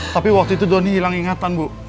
tapi waktu itu doni hilang ingatan bu